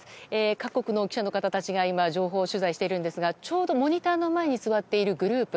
各国の記者の方たちが情報取材をしているんですがちょうど、モニターの前に座っているグループ